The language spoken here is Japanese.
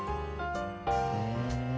ふん。